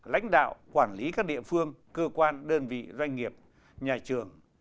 lãnh đạo quản lý các địa phương cơ quan đơn vị doanh nghiệp nhà trường